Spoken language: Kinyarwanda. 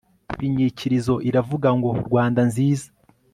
inyikirizo iravuga ngo rwandanziza